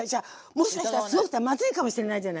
もしかしたらすごくまずいかもしれないじゃないさ。